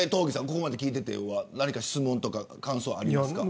ここまで聞いていて何か質問とか感想ありますか。